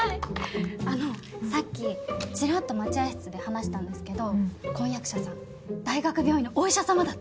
あのさっきチラッと待合室で話したんですけど婚約者さん大学病院のお医者様だって。